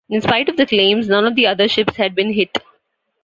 In spite of the claims, none of the other ships had been hit.